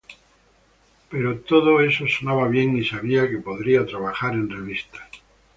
Pero todo eso sonaba bien y sabía que podría trabajar en revistas".